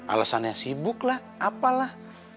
alasannya sibuk lah apalah